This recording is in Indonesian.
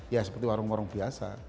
ya seperti warung warung biasa